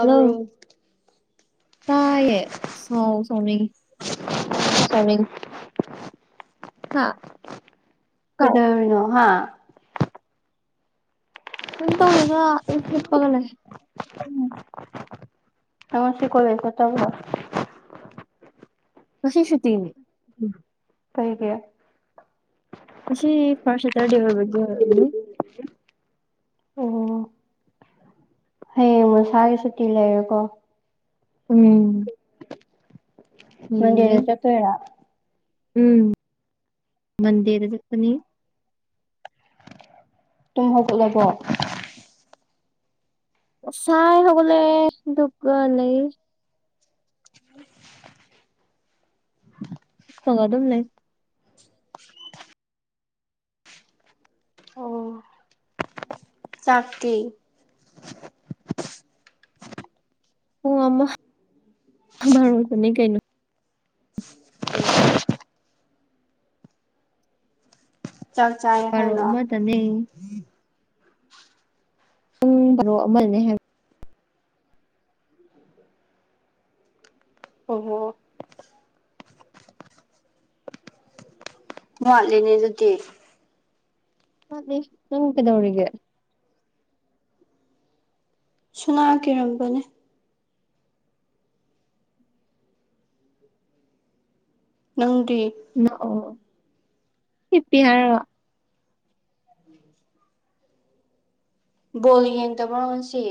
hello ꯀꯥꯏꯌꯦ ꯁꯥꯎ ꯁꯣꯎꯅꯤꯡ ꯇꯔ ꯍꯥꯥ ꯀꯩꯗꯧꯔꯤꯅꯣ ꯍꯥ ꯀꯝ ꯇꯧꯗꯦꯗ ꯑꯗꯨꯝ ꯍꯤꯞꯄꯒꯂꯩ ꯀꯣꯂꯦꯁ ꯆꯠꯇꯕꯔꯣ ꯉꯥꯁꯤ ꯁꯨꯇꯤꯅꯦ ꯎꯝ ꯁꯩ ꯀꯌꯥ ꯃꯁꯤ ꯄꯥꯔꯁꯇ꯭ꯔ ꯗꯦꯕꯕꯅꯤ ꯑꯣ ꯍꯌꯦꯡ ꯃꯁꯥꯒꯤ ꯁꯨꯇꯤ ꯂꯩꯔꯦꯀꯣ ꯎꯝ ꯅꯤꯔꯦ ꯃꯣꯟꯗꯦꯗ ꯆꯠꯇꯑꯣꯏꯔ ꯎꯝ ꯃꯟꯗꯦꯗ ꯆꯠꯄꯅꯤ ꯇꯨꯝ ꯍꯧꯒꯠꯂꯕꯣ ꯉꯥꯁꯥꯏ ꯍꯧꯒꯠꯂꯦ ꯑꯗꯨꯒꯂꯩ ꯁꯒ ꯑꯗꯨꯝ ꯂꯩ ꯑꯣ ꯆꯥꯛꯇꯤ ꯄꯨꯡ ꯑꯃ ꯃꯔꯨꯗꯅꯤ ꯀꯩꯅꯣ ꯆꯥꯛ ꯆꯥꯏ ꯕꯔꯣ ꯑꯃꯗꯅꯦ ꯄꯨꯡ ꯄꯥꯔꯣ ꯑꯃꯅꯦ ꯍꯥꯏꯕ ꯑꯣ ꯍꯣ ꯌꯠꯂꯤꯅꯦ ꯑꯗꯨꯗꯤ ꯋꯥꯠꯂꯤ ꯅꯪ ꯀꯩꯗꯧꯔꯤꯒꯦ ꯁꯨꯅꯥ ꯀꯤꯔꯝꯕꯅꯦ ꯅꯪꯗꯤ ꯅ ꯑꯣ ꯍꯤꯞꯄꯤ ꯍꯥꯏꯔꯒ [unintelligible] ꯕꯣꯜ ꯌꯦꯡꯗꯕ꯭ꯔꯣ ꯉꯁꯤ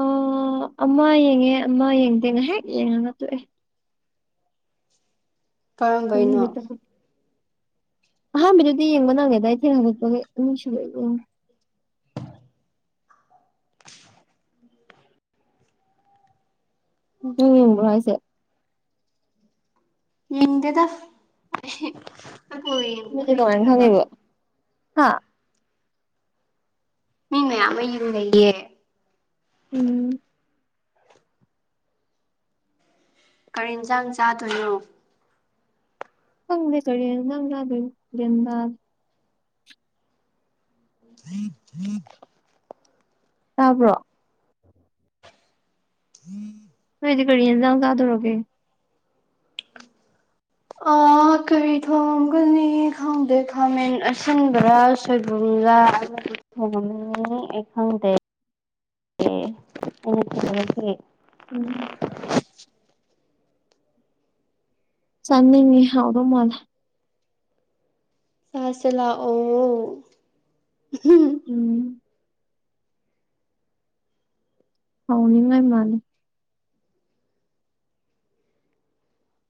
ꯑꯥ ꯑꯃ ꯌꯦꯡꯉꯦ ꯑꯃ ꯌꯦꯡꯗꯦ ꯉꯥꯏꯍꯥꯛ ꯌꯦꯡꯉꯒ ꯇꯣꯛꯑꯦ ꯀꯔꯝꯕꯩꯅꯣ [unintelligible] ꯑꯍꯥꯟꯕꯩꯗꯨꯗꯤ ꯌꯦꯡꯕ ꯅꯪꯉꯦꯗ ꯑꯩ ꯊꯦꯡꯉꯥ [unintelligible] ꯅꯪ ꯌꯦꯡꯕ꯭ꯔꯣ ꯍꯥꯏꯁꯦ ꯌꯦꯡꯗꯦꯗ ꯑꯩ ꯑꯩ ꯕꯣꯜ ꯌꯦꯡꯕ ꯑꯗꯨꯗꯤ ꯍꯩꯇꯦ ꯀꯃꯥꯏꯅ ꯍꯥꯏꯕ ꯈꯪꯉꯤꯕ ꯍꯥ ꯃꯤ ꯃꯌꯥꯝ ꯑꯃ ꯌꯦꯡꯃꯤꯟꯅꯩꯌꯦ ꯎꯝ ꯀꯔꯤ ꯏꯟꯁꯥꯡ ꯆꯥꯗꯣꯏꯅꯣ ꯈꯪꯗꯦ ꯀꯔꯤ ꯌꯦꯟꯁꯥꯡ ꯆꯥꯗꯣꯏꯅꯣ ꯒ꯭ꯌꯥꯟ ꯇꯥꯗꯦ [unintelligible] ꯇꯥꯕ꯭ꯔꯣ [unintelligible] ꯅꯣꯏꯗꯤ ꯀꯔꯤ ꯌꯦꯟꯖꯥꯡ ꯆꯥꯗꯧꯔꯒꯦ ꯑ ꯀꯔꯤ ꯊꯣꯡꯒꯅꯤ ꯈꯪꯗꯦ ꯈꯥꯃꯦꯟ ꯑꯁꯤꯟꯕꯔꯥ ꯁꯣꯏꯕꯨꯝꯂꯥ [unintelligible] ꯑꯩ ꯈꯪꯗꯦ ꯎꯪ [unintelligible] ꯎꯝ ꯆꯥꯅꯤꯡꯉꯤ ꯍꯥꯎꯗꯧ ꯃꯥꯜꯂꯦ ꯆꯥꯁꯦ ꯂꯥꯛꯑꯣ [unintelligible] ꯎꯝ ꯍꯥꯎꯅꯤꯡꯉꯥꯏ ꯃꯥꯟꯂꯤ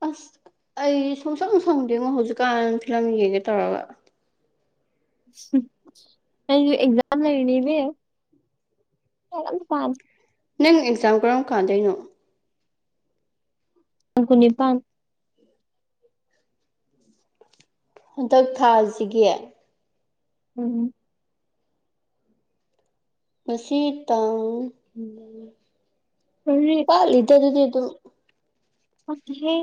ꯑꯁ ꯑꯩ ꯁꯨꯡꯁꯪ ꯁꯪꯗꯦꯉꯣ ꯍꯧꯖꯤꯛꯀꯥꯟ ꯐꯤꯂꯝ ꯌꯦꯡꯒꯦ ꯇꯧꯔꯒ [unintelligible] ꯑꯩꯁꯨ ꯑꯦꯛꯖꯥꯝ ꯂꯩꯔꯤꯅꯦ ꯏꯕꯦꯝꯃꯥ ꯂꯥꯏꯔꯤꯛꯀꯥ ꯑꯝ ꯄꯥꯗꯦ ꯅꯪ ꯑꯦꯛꯖꯥꯝ ꯀꯔꯝ ꯀꯥꯟꯗꯩꯅꯣ ꯇꯥꯡ ꯀꯨꯅꯤꯄꯥꯟ ꯍꯟꯗꯛ ꯊꯥꯁꯤꯒꯤ ꯎꯝ ꯉꯁꯤ ꯇꯥꯡ ꯀꯔꯤ ꯋꯥꯠꯂꯤꯗ ꯑꯗꯨꯗꯤ ꯑꯗꯨꯝ ꯅꯠꯇꯦꯍꯦ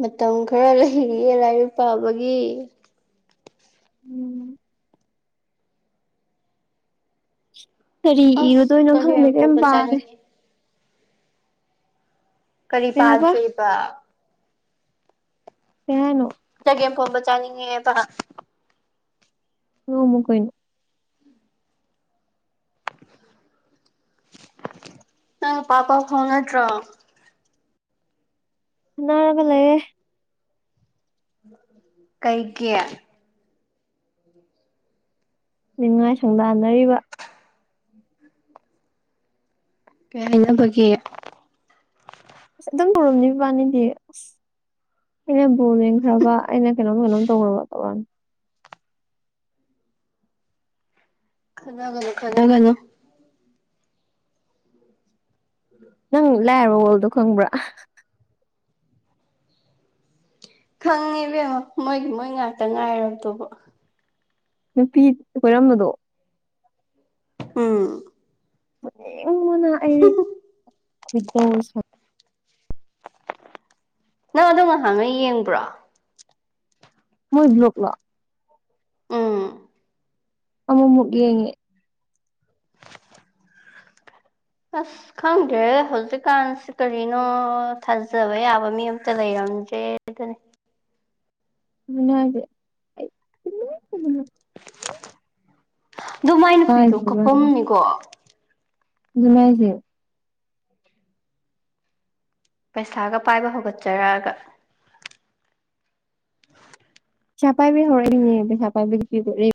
ꯃꯇꯝ ꯈꯔ ꯂꯩꯔꯤꯌꯦ ꯂꯥꯏꯔꯤꯛ ꯄꯥꯕꯒꯤ ꯎꯝ ꯀꯔꯤ ꯑꯁ ꯏꯔꯨꯗꯣꯏꯅꯣ ꯆꯒꯦꯝ ꯈꯪꯗꯦ ꯀꯩꯝ ꯄꯣꯝꯕ ꯄꯥꯗꯦ ꯆꯥꯅꯤꯡꯉꯦ ꯀꯔꯤ ꯀꯩ ꯍꯥꯏꯕ ꯄꯥꯗ꯭ꯔꯤꯕ ꯀꯩꯍꯥꯏꯅꯣ ꯆꯒꯦꯝꯄꯣꯝꯕ ꯆꯥꯅꯤꯡꯉꯦꯕ ꯄꯣꯝꯃꯨ ꯀꯩꯅꯣ ꯅꯪ ꯅꯨꯄꯥ ꯄꯥꯎ ꯐꯥꯎꯅꯗ꯭ꯔꯣ ꯅꯔꯒꯥꯂꯩꯌꯦ ꯀꯩꯒꯤ ꯅꯤꯡꯅꯤꯉꯥꯏ ꯁꯪꯗꯥꯟꯅꯔꯤꯕ ꯀꯩ ꯍꯥꯏꯅꯕꯒꯤ ꯑꯁ ꯑꯗꯨꯝ ꯇꯧꯔꯝꯅꯤ ꯏꯕꯥꯅꯤꯗꯤ ꯑꯁ ꯏꯩꯅ ꯣꯜꯡ ꯈ꯭ꯔꯕ ꯏꯩꯅ ꯀꯩꯅꯣ ꯍꯦꯜꯂꯝ ꯇꯧꯔ ꯋꯥ ꯃꯇꯝꯕꯔꯅꯤ ꯈꯅꯥꯒꯂꯣ ꯈꯖꯅꯥꯒꯂꯣ ꯅꯪ ꯂꯥꯏꯔꯕ ꯋꯥꯣꯜꯗꯣ ꯈꯪꯕ꯭ꯔꯥ ꯈꯪꯉꯦꯕꯦꯝꯃꯣ ꯃꯣꯏꯒꯤ ꯃꯣꯏ ꯉꯥꯛꯇ ꯉꯥꯏꯔꯕꯗꯨꯕ ꯅꯨꯄꯤ ꯈꯣꯏꯔꯝꯕꯗꯣ ꯑꯝ ꯡ ꯃꯅ ꯑꯩ ꯈꯣꯏꯗꯧ ꯅꯪꯗꯣ ꯉꯍꯥꯡꯉ ꯌꯦꯡꯕ꯭ꯔꯣ ꯃꯣꯏ ꯂꯣꯛ ꯂꯣ ꯑꯥ ꯑꯃ ꯌꯦꯉꯦ ꯑꯁ ꯈꯪꯗ꯭ꯔꯦ ꯍꯧꯖꯤꯛꯀꯥꯟꯁꯤ ꯀꯔꯤꯅꯣ ꯊꯥꯖꯕ ꯌꯥꯕ ꯃꯤ ꯑꯝꯇ ꯂꯩꯔꯝꯗ꯭ꯔꯦꯗꯅꯤ ꯎꯦ ꯑꯗꯨ ꯃꯥꯏ ꯅꯨꯄꯤꯗꯣ ꯀꯥꯏꯗꯕ ꯀꯞꯐꯝꯅꯤꯀꯣ ꯉꯥꯏꯁꯦ ꯄꯩꯁꯥꯒ ꯄꯥꯏꯕ ꯍꯧꯒꯠꯆꯔꯛꯑꯒ [inaudible] ꯄꯩꯁꯥ ꯄꯥꯏꯕꯤ ꯍꯧꯔꯛꯏꯅꯦ ꯄꯩꯁꯥ ꯄꯥꯏꯕꯤꯒꯤ ꯄꯤꯦ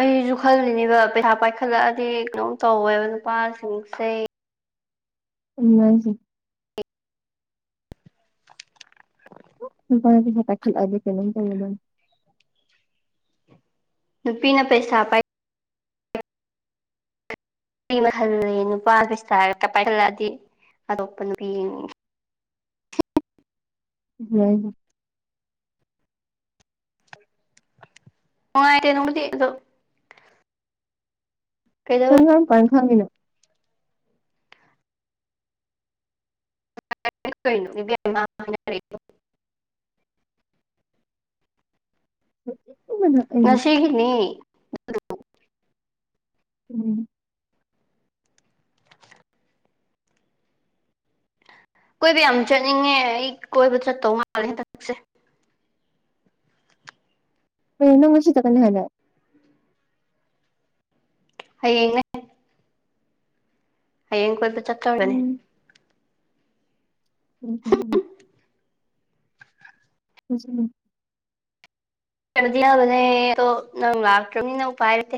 ꯑꯩꯁꯨ ꯈꯜꯂꯤꯅꯦꯕ ꯄꯩꯁꯥ ꯄꯥꯏꯈꯠꯂꯛꯑꯗꯤ ꯀꯩꯅꯣꯝ ꯇꯧꯋꯦꯕ ꯅꯨꯄꯥꯁꯤꯡꯁꯦ ꯎ ꯇ ꯀꯩꯅ ꯅ ꯅꯨꯄꯤꯅ ꯄꯩꯁꯥ ꯄꯥꯏ ꯀꯃ ꯍꯜꯂꯦ ꯅꯨꯄꯥ ꯄꯩꯁꯔ ꯄꯥꯏꯍꯜꯂꯛꯑꯗꯤ ꯑꯇꯣꯞꯄ ꯅꯨꯄꯤ ꯍꯝ ꯑꯣꯅꯨꯡꯉꯥꯏꯔꯦ ꯀꯩꯗꯧ ꯄꯈꯪꯒꯤꯅꯣ ꯀ ꯑꯩ ꯉꯁꯤꯍꯤꯅꯤ ꯀꯣꯏꯕ ꯌꯥꯝ ꯆꯠꯅꯤꯡꯉꯦ ꯑꯩ ꯀꯣꯏꯕ ꯆꯠꯇꯧ ꯃꯥꯜꯂꯦ ꯍꯟꯗꯛꯁꯦ ꯄꯅꯪꯉ ꯁꯤ ꯇ ꯀꯅ ꯍ ꯍꯥꯏꯂꯦ ꯍꯌꯦꯡ ꯍꯌꯦꯡ ꯀꯣꯏꯕ ꯆꯠꯇ꯭ꯔꯕꯅꯦ ꯎꯝ ꯍꯝ ꯂ ꯗꯤꯅꯦ ꯅꯪ ꯂꯥꯛꯔ ꯎ ꯄꯥꯏꯔꯠꯇꯦ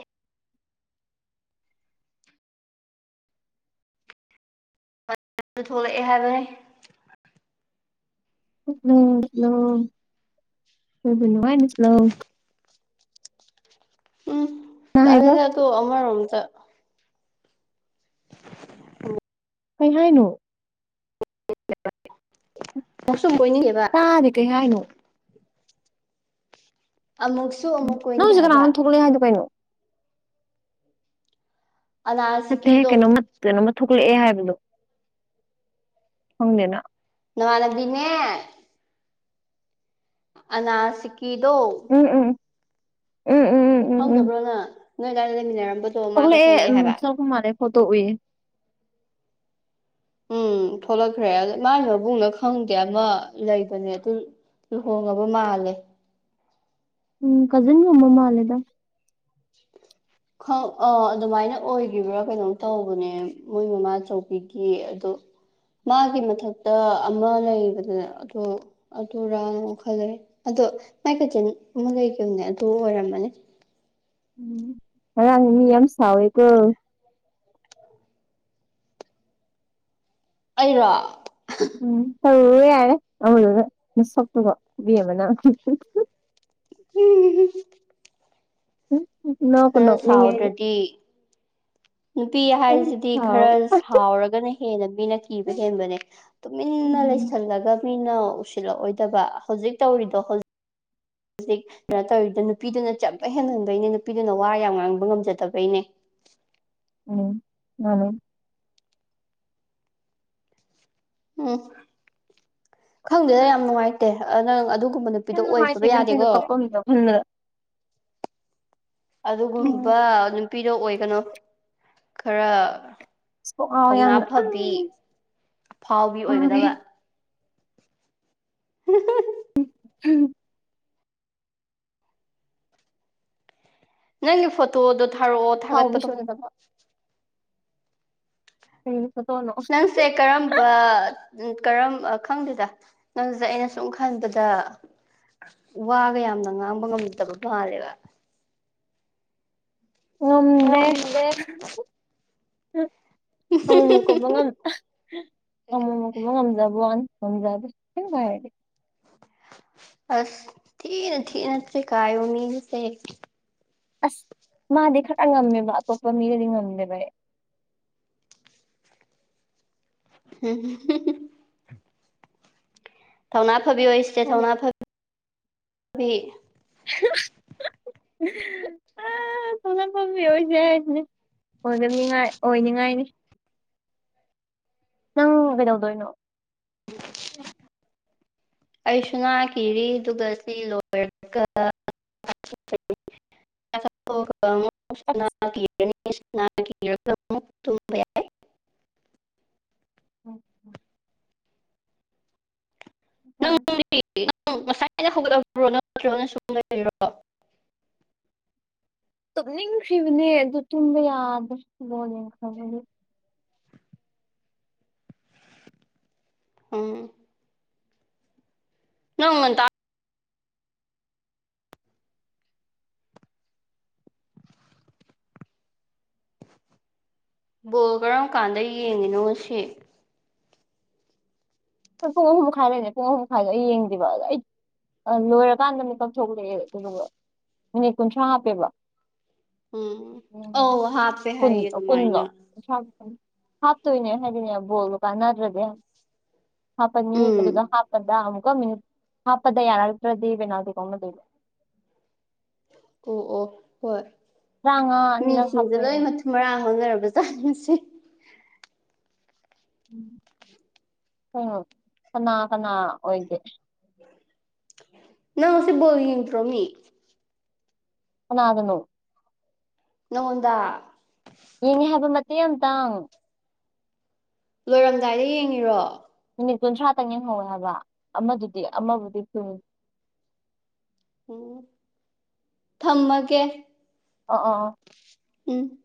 ꯑꯗꯨ ꯊꯣꯛꯂꯛꯑꯦ ꯍꯥꯏꯕꯅꯤ ꯅꯅꯨꯡꯉꯥꯏꯅ ꯁꯤꯂꯣ ꯎꯝ ꯀꯅꯥ ꯍꯥꯏꯕ ꯑꯂꯗ ꯑꯗꯨ ꯑꯃꯔꯣꯝꯇ ꯀ ꯀꯩ ꯍꯥꯏꯥꯏꯅꯣ ꯃꯁꯝ ꯑꯣꯏꯣꯏꯅꯤꯡꯕ ꯑꯗ ꯀꯩ ꯍꯥꯏꯅꯣ ꯑꯃꯨꯛꯁꯨ ꯑꯃꯨꯛ ꯅꯪ ꯀꯒꯦ ꯍꯧꯖꯤꯛ ꯍꯥꯏꯕ ꯀꯅꯥꯅꯣꯝ ꯊꯣꯛꯂꯛꯑꯦ ꯍꯥꯏꯗꯣ ꯀꯩꯅꯣ ꯅꯠꯇꯦꯍꯦꯛ ꯑꯅꯥꯁꯤꯀꯤꯗꯣ ꯀꯩꯅꯣꯝꯃ ꯀꯩꯅꯣꯝꯃ ꯊꯣꯛꯂꯛꯑꯦ ꯍꯥꯏꯕꯗꯣ ꯈꯪꯗꯦꯅ ꯅꯅꯨꯡꯃꯅꯕꯤꯅꯦ ꯑꯅꯥꯁꯤꯀꯤꯗꯨꯣ ꯎꯝ ꯎꯝ ꯎꯝ ꯎꯝ ꯎꯝ ꯎꯝ ꯎꯝ ꯈꯪꯗꯕ꯭ꯔꯣ ꯉꯥ ꯅꯣꯏ ꯀꯥꯏꯥꯟꯗ ꯂꯩꯃꯤꯟꯅꯔꯝꯕ ꯊꯣꯛꯂꯛꯑꯦ ꯎꯝ ꯊꯣꯛꯂꯛꯄ ꯃꯥꯜꯂꯦ ꯐꯠꯇꯣ ꯎꯏꯌꯦ ꯎꯝ ꯊꯣꯛꯂꯛꯈ꯭ꯔꯦ ꯑ ꯃꯥꯒꯤ ꯃꯕꯨꯡꯅ ꯈꯪꯗꯦ ꯑꯃ ꯂꯩꯕꯅꯦ ꯑꯗꯨ ꯂꯨꯍꯣꯡꯉꯕ ꯃꯥꯜꯂꯦ ꯎꯝ ꯀꯖꯤꯟꯒꯨꯝꯕ ꯃꯥꯟꯂꯦꯗ [inaudible] ꯑ ꯑꯗꯨꯃꯥꯏꯅ ꯑꯣꯏꯈꯤꯕ꯭ꯔꯥ ꯀꯩꯅꯣꯝ ꯇꯧꯕꯅꯦ ꯃꯣꯏ ꯃꯃꯥ ꯑꯆꯧꯕꯤꯒꯤ ꯑꯗꯨ ꯃꯥꯒꯤ ꯃꯊꯛꯇ ꯑꯃ ꯂꯩꯕꯅꯦ ꯑꯗꯣ ꯑꯗꯨꯔꯥꯅꯨ ꯈꯜꯂꯦ ꯑꯗꯣ ꯃꯥꯏ ꯀꯖꯤꯟ ꯑꯃ ꯂꯩꯈꯤꯕꯅꯦ ꯑꯗꯨ ꯑꯣꯏꯔꯝꯃꯅꯤ ꯉꫪꯥꯡ ꯃꯤ ꯌꯥꯝ ꯁꯥꯎꯋꯦꯀꯣ ꯑꯩꯔꯣ ꯎꯝ ꯇꯧ ꯌꯥꯔꯦ ꯑꯃꯣꯏꯗꯨꯒ ꯅꯁꯛꯇꯨꯒ ꯏꯕꯦꯝꯃ ꯅꯪ ꯎꯝ ꯅꯣꯛꯄꯨ ꯅꯣꯛꯅꯤꯡꯉꯦ ꯑꯩꯗꯤ ꯁꯥꯎꯗ꯭ꯔꯗꯤ ꯅꯨꯄꯤ ꯌꯥꯝ ꯍꯥꯏꯁꯤꯗꯤ ꯁꯥꯎ ꯈꯔ ꯁꯥꯎꯔꯒꯅ ꯍꯦꯟꯅ ꯃꯤꯅ ꯀꯤꯕ ꯍꯦꯟꯕꯅꯦ ꯇꯨꯃꯤꯟꯅ ꯎꯝ ꯂꯩꯁꯤꯜꯂꯒ ꯃꯤꯅ ꯎꯁꯤꯜꯂꯛꯑꯣꯏꯗꯕ ꯍꯧꯖꯤꯛ ꯇꯧꯔꯤꯗꯣ ꯍꯧꯖꯤꯛ ꯍꯧꯖꯤꯛ ꯀꯩꯅꯣ ꯇꯧꯔꯤꯗꯨ ꯅꯨꯄꯤꯗꯨꯅ ꯆꯠꯄ ꯍꯦꯟꯃꯟꯕꯩꯅꯦ ꯅꯨꯄꯤꯗꯨꯅ ꯋꯥ ꯌꯥꯝ ꯉꯥꯡꯕ ꯉꯝꯖꯗꯕꯩꯅꯦ ꯎꯝ ꯃꯥꯟꯅꯤ ꯎꯝ ꯈꯪꯗꯦꯗ ꯌꯥꯝ ꯅꯨꯡꯉꯥꯏꯇꯦ ꯅꯪ ꯑꯗꯨꯒꯨꯝꯕꯅ ꯌꯥꯝ ꯅꯨꯄꯤꯗꯣ ꯅꯨꯡꯉꯥꯏꯇꯦ ꯑꯣꯏꯕ ꯌꯥꯗꯦꯀꯣ [unintelligible] ꯎꯝ ꯑꯗꯨꯒꯨꯝꯕ ꯅꯨꯄꯤꯗꯣ ꯑꯣꯏꯒꯅꯣ ꯈꯔ ꯀꯣꯛ ꯉꯥꯎꯋꯦ ꯊꯧꯅꯥ ꯌꯥꯝꯅ ꯐꯕꯤ ꯐꯥꯎꯕꯤ ꯑꯣꯏꯒꯗꯕ [unintelligible] ꯎꯝ ꯅꯪꯒꯤ ꯐꯣꯇꯣꯗꯣ ꯊꯥꯔꯛꯑꯣ ꯊꯥꯒꯠꯄꯗꯣ ꯑꯐꯥꯎꯕꯤꯁꯨ ꯅꯠꯇꯕ ꯀꯔꯤ ꯐꯣꯇꯣꯅꯣ ꯅꯪꯁꯦ ꯀꯔꯝꯕ ꯎ ꯀꯔꯝ ꯈꯪꯗꯦꯗ ꯅꯪꯖꯦ ꯑꯩꯅ ꯁꯨꯝ ꯈꯟꯕꯗ ꯋꯥꯒ ꯌꯥꯝꯅ ꯉꯥꯡꯕ ꯉꯝꯗꯕ ꯃꯥꯥꯜꯂꯦꯕ ꯉꯝꯗꯦ ꯑꯝꯃꯨꯛꯃꯨꯛꯀꯨꯝꯕ ꯉꯝ ꯑꯝꯃꯨꯛꯃꯨꯛꯀꯨꯝꯕ ꯐꯖꯕ꯭ꯋꯤꯅꯦ ꯉꯝꯖꯗꯦ ꯑꯁ ꯊꯤꯅ ꯊꯤꯅ ꯆꯩ ꯀꯥꯏ ꯕ ꯃꯤꯅꯤꯍꯦ ꯑꯁ ꯃꯥꯗꯤ ꯈꯔ ꯉꯝꯃꯦꯕ ꯑꯇꯣꯞꯄ ꯃꯤꯗꯗꯤ ꯉꯝꯗꯦꯕ ꯑꯩ [unintelligible] ꯊꯧꯅꯥ ꯐꯕꯤ ꯑꯣꯏ ꯁꯦ ꯈꯜꯂꯦ ꯊꯧꯅꯥ ꯐꯕꯤ ꯑꯥ ꯊꯣꯛꯂꯛꯄ [inaudible] ꯃꯤ ꯑꯣꯏꯁꯦ ꯍꯥꯏꯖꯤꯅꯤ ꯑꯗꯨꯝꯉꯥꯏ ꯑꯣꯏꯅꯤꯡꯉꯥꯏꯅꯤ ꯅꯪ ꯀꯩꯗꯧꯗꯣꯏꯅꯣ [unintelligible] ꯑꯩꯁꯨ ꯉꯥ ꯀꯤꯔꯤ ꯑꯗꯨꯒ ꯁꯤ ꯂꯣꯏꯔꯒ ꯆꯥꯛ [unintelligible] ꯃꯨꯛ ꯇꯨꯝꯕ ꯌꯥꯏ [inaudible] ꯅꯪꯗꯤ ꯅꯪ ꯉꯁꯥꯏꯅ ꯍꯧꯒꯠꯂꯕ꯭ꯔꯣ ꯅꯠꯇ꯭ꯔꯒ‌ ꯁꯨꯝ ꯂꯩꯔꯣ ꯇꯨꯝꯅꯤꯡꯈꯤꯕꯅꯦ ꯑꯗꯨ ꯇꯨꯝꯕ ꯌꯥꯗ꯭ꯔꯦ ꯕꯣꯜ ꯌꯦꯡꯈꯔꯕꯅꯤ ꯎꯝ ꯅꯪ ꯉꯟꯇꯥ ꯕꯣꯜ ꯀꯔꯝ ꯀꯥꯟꯗ ꯌꯦꯡꯉꯤꯅꯣ ꯉꯁꯤ ꯍꯣꯏ ꯄꯨꯡ ꯑꯍꯨꯝ ꯃꯈꯥꯏ ꯂꯩꯅꯦ ꯄꯨꯡ ꯑꯍꯨꯝ ꯃꯈꯥꯏꯗ ꯑꯩ ꯌꯦꯡꯗꯦꯕ ꯑꯗꯣ ꯑꯩ ꯂꯣꯏꯔꯀꯥꯟꯗ ꯃꯤꯀꯞ ꯊꯣꯛꯂꯛꯑꯦ ꯑꯗꯨꯒ ꯃꯤꯅꯤꯠ ꯀꯨꯟꯊ꯭ꯔꯥ ꯍꯥꯞꯄꯦꯕ ꯎꯝ ꯑꯧ ꯍꯥꯞꯄꯦ ꯀꯟ ꯍꯥꯏꯌꯦ ꯀꯨꯟꯅ ꯑꯗꯨꯃꯥꯏꯅ ꯍꯥꯞ ꯍꯥꯞꯇꯣꯏꯅꯦ ꯍꯥꯏꯗꯤꯅꯦꯕꯣꯜ ꯀꯥꯟꯅꯠꯇ꯭ꯔꯗ ꯍꯥꯞꯄꯅꯤ ꯑꯗꯨꯗ ꯎꯝ ꯍꯥꯞꯄꯗ ꯑꯃꯨꯛꯀ ꯃꯤꯅꯤꯠ ꯍꯥꯞꯄꯗ ꯌꯥꯔꯛꯇ꯭ꯔꯗꯤ ꯕꯦꯅꯥꯜꯗꯤꯤꯒꯥꯎꯅꯗꯣꯏꯕꯣ ꯑꯣ ꯑꯣ ꯍꯣꯏ ꯔꯥꯡꯉꯅꯤꯅꯒ ꯍꯥꯠꯇꯣꯏꯅꯤꯣ ꯃꯔꯥ ꯍꯧꯥꯎꯅꯔꯕ ꯆꯥꯅꯁꯤ ꯎ ꯎꯝ ꯀꯅꯥ ꯀꯅꯥ ꯑꯣꯏꯒꯦ ꯅꯪ ꯉꯁꯤꯦ ꯣꯠꯇ꯭ꯔꯣꯃꯤ ꯑꯅꯗꯅꯣ ꯅꯉꯗ ꯌꯦꯡꯉꯦ ꯍꯥꯏꯕ ꯃꯇꯦꯛ ꯑꯃꯇꯥꯡꯉꯨ ꯂꯣꯏꯔꯝꯗꯥꯏꯗ ꯌꯦꯡꯉꯤꯔꯣ ꯃꯤꯅꯤꯠ ꯀꯨꯟꯊ꯭ꯔꯥꯇꯪ ꯌꯦꯡꯍꯧꯋꯦ ꯍꯥꯏꯕ ꯑꯃꯗꯨꯗꯤ ꯑꯃꯕꯨꯗꯤ ꯀꯨꯟ ꯑꯣꯝ ꯊꯝꯃꯒꯦ ꯑꯣ ꯑꯣ ꯎꯝ